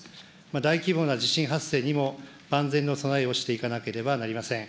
大規模な地震発生にも、万全の備えをしていかなければなりません。